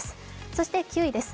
そして９位です。